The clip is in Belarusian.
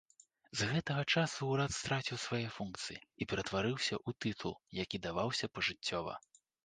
З гэтага часу ўрад страціў свае функцыі і ператварыўся ў тытул, які даваўся пажыццёва.